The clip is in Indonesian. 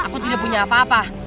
aku tidak punya apa apa